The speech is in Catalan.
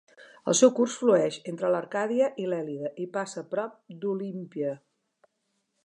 El seu curs flueix entre l'Arcàdia i l'Èlide i passa prop d'Olímpia.